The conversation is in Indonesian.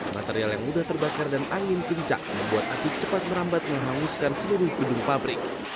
material yang mudah terbakar dan angin kencang membuat api cepat merambat menghanguskan seluruh gedung pabrik